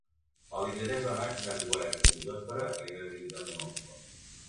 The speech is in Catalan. El vint-i-tres de maig na Cloè i en Jofre aniran a visitar mon oncle.